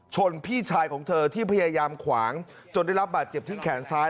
พี่ชายของเธอที่พยายามขวางจนได้รับบาดเจ็บที่แขนซ้าย